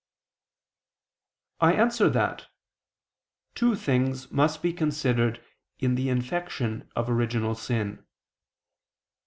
I answer that, Two things must be considered in the infection of original sin.